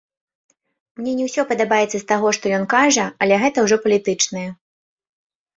Мне не ўсё падабаецца з таго, што ён кажа, але гэта ўжо палітычнае.